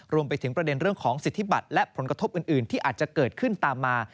รวมไปถึงประเด็นเรื่องของสิทธิบัตรและผลกระทบอื่นที่อาจจะเกิดขึ้นตามมา